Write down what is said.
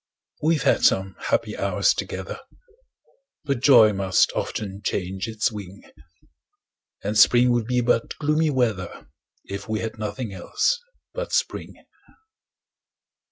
We've had some happy hours together, But joy must often change its wing; And spring would be but gloomy weather, If we had nothing else but spring.